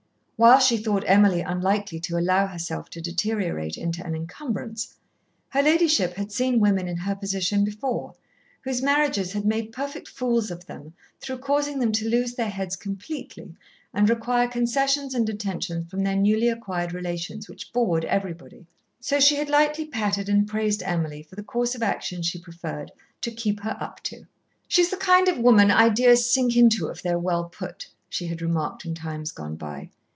While she thought Emily unlikely to allow herself to deteriorate into an encumbrance, her ladyship had seen women in her position before, whose marriages had made perfect fools of them through causing them to lose their heads completely and require concessions and attentions from their newly acquired relations which bored everybody. So she had lightly patted and praised Emily for the course of action she preferred to "keep her up to." "She's the kind of woman ideas sink into if they are well put," she had remarked in times gone by.